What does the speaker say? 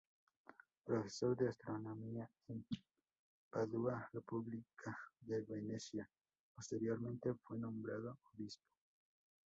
Profesor de astronomía en Padua, República de Venecia, posteriormente fue nombrado obispo.